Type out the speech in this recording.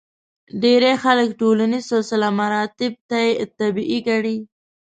ډېری خلک ټولنیز سلسله مراتب طبیعي ګڼي.